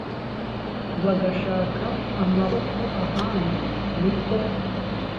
bagashaka amaboko ahandi ni ko